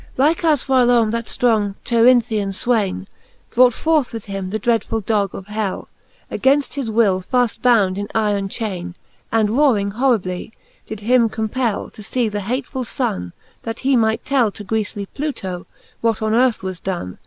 XXXV. Like as whylome that ftrong 'Tirynthian fwaine Brought forth with him the dreadfull dog of hell, Againft his will, faft bound in yron chaine, And roring horribly, did him compell To fee the hatefull funne, that he might tell To griefly Pluto^ what on earth was donne.